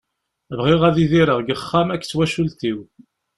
Bɣiɣ ad idireɣ deg uxxam akked twacult-iw.